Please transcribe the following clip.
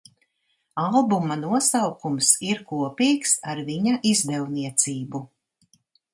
Albuma nosaukums ir kopīgs ar viņa izdevniecību.